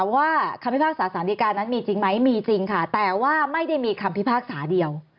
ว่าคำพิพากษาสารดีการนั้นมีจริงไหมมีจริงค่ะแต่ว่าไม่ได้มีคำพิพากษาเดียว